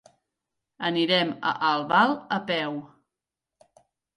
Anirem a Albal a peu.